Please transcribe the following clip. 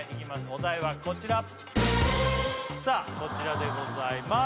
お題はこちらさあこちらでございます